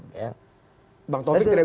bang topik tidak bisa jawab